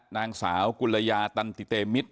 นางสาวกุลยาตันติเตมิตร